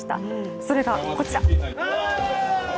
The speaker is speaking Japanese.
それがこちら！